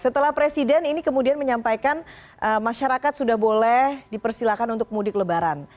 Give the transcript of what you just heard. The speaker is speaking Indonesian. setelah presiden ini kemudian menyampaikan masyarakat sudah boleh dipersilakan untuk mudik lebaran